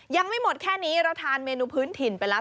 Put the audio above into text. ยังไม่หมดแค่นี้เราทานเมนูพื้นถิ่นไปแล้ว